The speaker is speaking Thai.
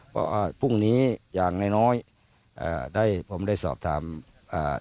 ว่าพรุ่งนี้อย่างน้อยน้อยอ่าได้ผมได้สอบถามอ่า